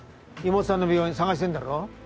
妹さんの病院探してるんだろ？